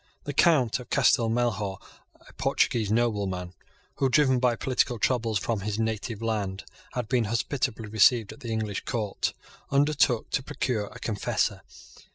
The Count of Castel Melhor, a Portuguese nobleman, who, driven by political troubles from his native land, had been hospitably received at the English court, undertook to procure a confessor.